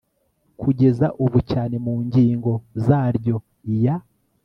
kugeza ubu cyane mu ngingo zaryo iya